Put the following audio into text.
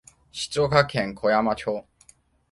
静岡県小山町